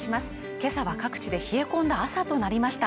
今朝は各地で冷え込んだ朝となりました。